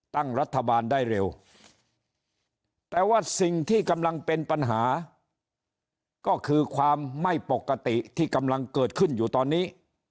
ตั้งรัฐบาลได้เร็วแต่ว่าสิ่งที่กำลังเป็นปัญหาก็คือความไม่ปกติที่กำลังเกิดขึ้นอยู่ตอนนี้